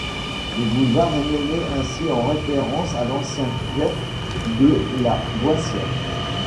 Le boulevard est nommé ainsi en référence à l'ancien fief de la Boissière.